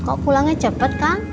kok pulangnya cepet kang